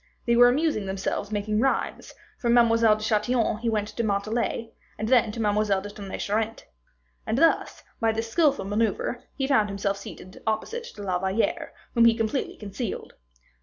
They were amusing themselves making rhymes; from Mademoiselle de Chatillon he went to Montalais, and then to Mademoiselle de Tonnay Charente. And thus, by this skillful maneuver, he found himself seated opposite to La Valliere, whom he completely concealed.